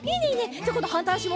じゃあこんどはんたいあしも。